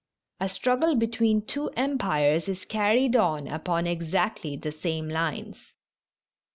A struggle between two empires is carried on upon exactly the same lines.